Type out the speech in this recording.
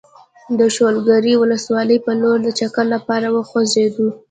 د شولګرې ولسوالۍ په لور د چکر لپاره وخوځېدو.